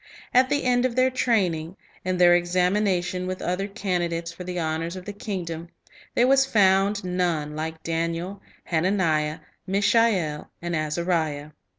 At the end of their training, in their examination with other candidates for the honors of the kingdom, there was " found none like Daniel, Hananiah, Mishael, and Azariah."